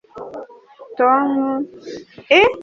Tom yaguze igare kumadorari magana atatu.